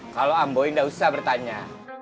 kalau amboi tidak usah bertanya